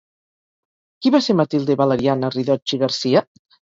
Qui va ser Matilde Valeriana Ridocci Garcia?